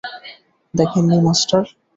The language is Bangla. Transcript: দেখেননি, মাস্টার?